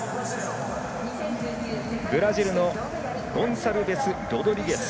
ブラジルのゴンサルベスロドリゲス。